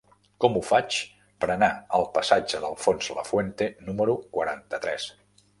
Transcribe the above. Com ho faig per anar al passatge d'Alfonso Lafuente número quaranta-tres?